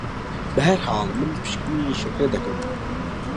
بە هەرحاڵ من پشکنینی شەکرە دەکەم